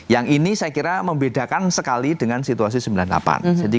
yang ini saya kira membedakan sekali dengan situasi sembilan puluh delapan